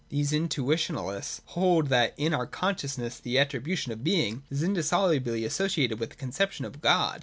These Intui tionalists hold that in our consciousness the attribute of being is indissolubly associated with the conception of God.